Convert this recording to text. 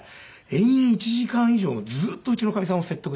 延々１時間以上ずっとうちのかみさんを説得してくれていて。